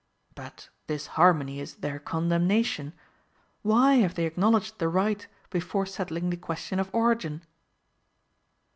But this harmony is their condemnation. Why have they acknowledged the right before settling the question of origin?